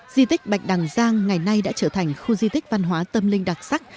di tích bạch đằng giang ngày nay đã trở thành khu di tích văn hóa tâm linh đặc sắc